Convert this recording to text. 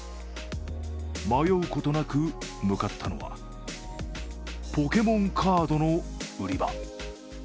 迷うことなく向かったのはポケモンカードの売り場。